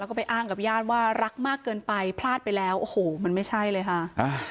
แล้วก็ไปอ้างกับญาติว่ารักมากเกินไปพลาดไปแล้วโอ้โหมันไม่ใช่เลยค่ะอ่า